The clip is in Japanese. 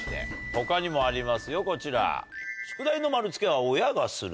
他にもありますよこちら。